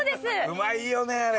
うまいよねあれ！